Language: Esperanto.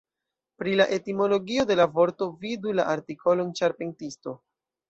Pri la etimologio de la vorto vidu la artikolon "ĉarpentisto".